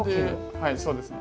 はいそうですね。